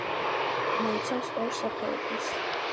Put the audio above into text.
მოიცავს ორ სახეობას.